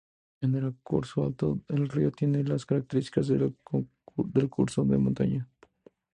En el curso alto, el río tiene las características de un curso de montaña.